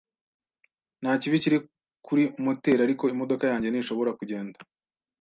Nta kibi kiri kuri moteri, ariko imodoka yanjye ntishobora kugenda